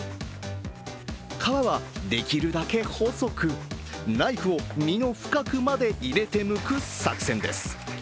皮はできるだけ細く、ナイフを実の深くまで入れてむく作戦です。